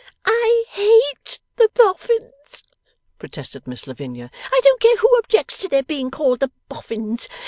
'I hate the Boffins!' protested Miss Lavinia. 'I don't care who objects to their being called the Boffins.